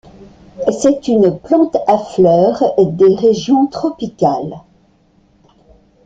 C'est une plante à fleurs des régions tropicales.